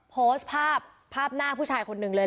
โพสต์ภาพภาพหน้าผู้ชายคนหนึ่งเลย